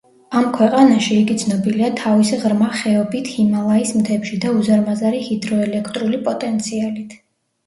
ამ ქვეყანაში იგი ცნობილია თავის ღრმა ხეობით ჰიმალაის მთებში და უზარმაზარი ჰიდროელექტრული პოტენციალით.